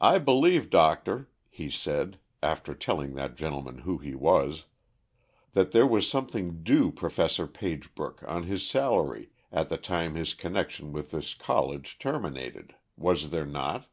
"I believe, doctor," he said, after telling that gentleman who he was, "that there was something due Professor Pagebrook on his salary at the time his connection with this college terminated, was there not?"